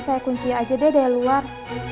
saya kunci aja deh dari luar